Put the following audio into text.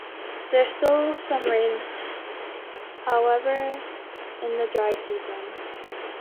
There is still some rain, however, in the dry season.